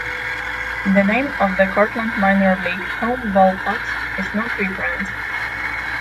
The name of the Cortland minor league home ballpark(s) is not referenced.